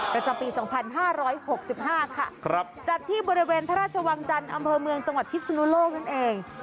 ประจำปี๒๕๖๕ค่ะจัดที่บริเวณพระราชวังจันทร์อำเภอเมืองจังหวัดพิศนุโลกนั่นเอง